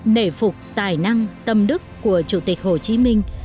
nể phục tài năng tâm đức của chủ tịch hồ chí minh